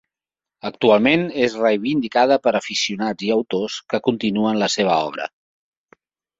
Actualment és reivindicada per aficionats i autors que continuen la seua obra.